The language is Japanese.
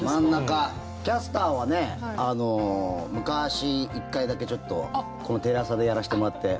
キャスターは、昔１回だけちょっとこのテレ朝でやらしてもらって。